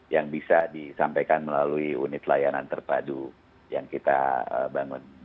yang bisa disampaikan melalui unit layanan terpadu yang kita bangun